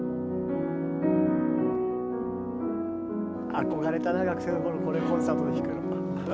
憧れたな学生の頃これコンサートで弾くの。